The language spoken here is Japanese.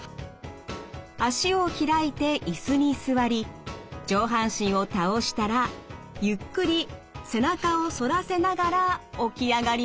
脚を開いて椅子に座り上半身を倒したらゆっくり背中を反らせながら起き上がります。